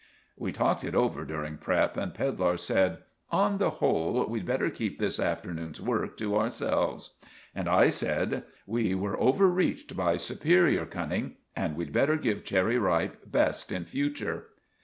We talked it over during prep., and Pedlar said— "On the whole, we'd better keep this afternoon's work to ourselves." And I said— "We were overreached by superior cunning, and we'd better give Cherry Ripe best in future."